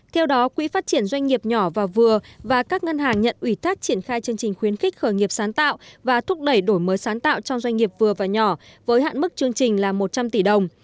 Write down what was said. theo đó quỹ phát triển doanh nghiệp nhỏ và vừa và các ngân hàng nhận ủy thác triển khai chương trình khuyến khích khởi nghiệp sáng tạo và thúc đẩy đổi mới sáng tạo trong doanh nghiệp vừa và nhỏ với hạn mức chương trình là một trăm linh tỷ đồng